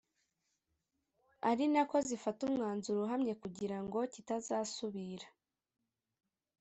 ari nako zifata umwanzuro uhamye kugira ngo kitazasubira